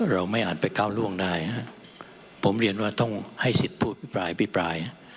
เราไม่อาจไปก้าวล่วงได้ฮะผมเรียนว่าต้องให้สิทธิ์ผู้อภิปรายพิปราย